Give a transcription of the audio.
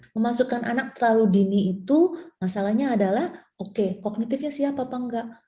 memasukkan anak terlalu dini itu masalahnya adalah oke kognitifnya siap apa enggak